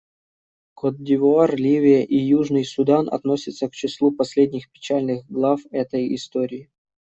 Котд'Ивуар, Ливия и Южный Судан относятся к числу последних печальных глав этой истории.